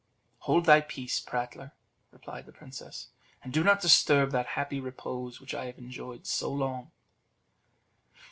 "Hold thy peace, prattler," replied the princess, "and do not disturb that happy repose which I have enjoyed so long."